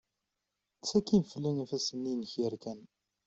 Kkes akin fell-i ifassen-nni inek yerkan.